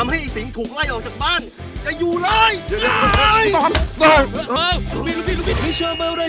เฮ้ยหยุดนะเว้ย